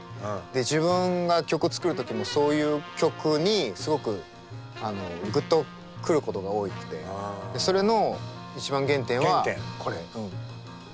自分が曲作る時もそういう曲にすごくグッと来ることが多くてそれの一番原点はこれ。